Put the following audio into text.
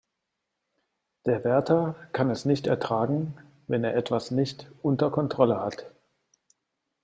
Der Wärter kann es nicht ertragen, wenn er etwas nicht unter Kontrolle hat.